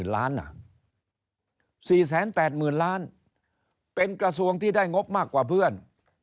๔๘๐๐๐๐ล้านอ่ะ๔๘๐๐๐๐ล้านเป็นกระทรวงที่ได้งบมากกว่าเพื่อน